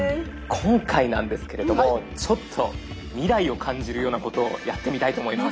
今回なんですけれどもちょっと未来を感じるようなことをやってみたいと思います。